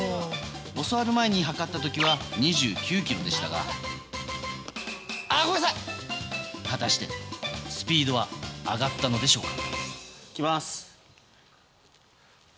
教わる前に測った時は２９キロでしたが果たして、スピードは上がったのでしょうか。